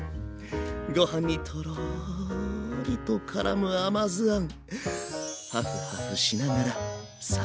ご飯にとろりとからむ甘酢あん。